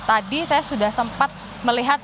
tadi saya sudah sempat melihat